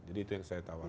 jadi itu yang saya tawarkan